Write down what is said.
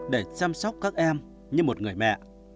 để chăm sóc các em như một người mẹ